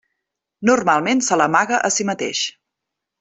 Normalment se l'amaga a si mateix.